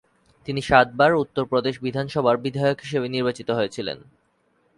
তিনি সাতবার উত্তর প্রদেশ বিধানসভার বিধায়ক হিসেবে নির্বাচিত হয়েছিলেন।